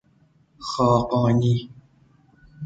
خاقانی